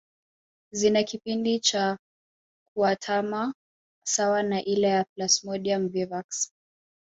Zina kipindi cha kuatama sawa na ile ya Plasmodium vivax